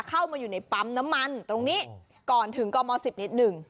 เข้ามาอยู่ในปั๊มน้ำมันตรงนี้ก่อนถึงกม๑๐นิดหนึ่ง